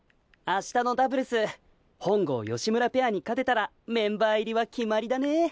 明日のダブルス本郷・吉村ペアに勝てたらメンバー入りは決まりだね。